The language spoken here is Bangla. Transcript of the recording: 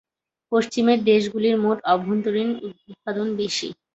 পশ্চিমের দেশগুলির মোট অভ্যন্তরীণ উৎপাদন বেশি।